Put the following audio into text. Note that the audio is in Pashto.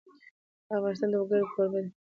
افغانستان د وګړي کوربه دی.